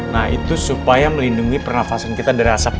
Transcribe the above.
nah itu supaya melindungi pernafasan kita dari asap